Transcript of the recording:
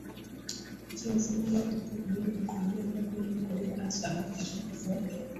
nchini Somalia katika juhudi za kulilenga vyema kundi la al-Shabaab na viongozi wake